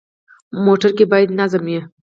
موټر کې باید نظم وي.